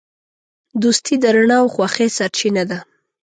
دوستي د رڼا او خوښۍ سرچینه ده.